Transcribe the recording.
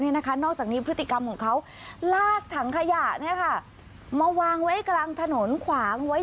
นานก์จากนี้พฤติกรรมของเขาลากถังขยะ